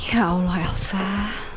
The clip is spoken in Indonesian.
ada apa lagi sih